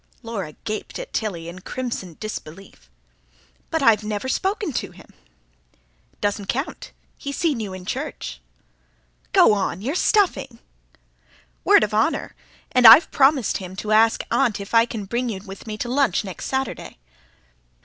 Laura gaped at Tilly, in crimson disbelief. "But I've never spoken to him!" "Doesn't count. He's seen you in church." "Go on! you're stuffing." "Word of honour! And I've promised him to ask aunt if I can bring you with me to lunch next Saturday."